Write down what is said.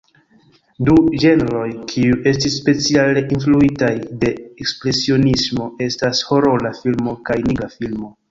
Du ĝenroj kiuj estis speciale influitaj de Ekspresionismo estas horora filmo kaj nigra filmo.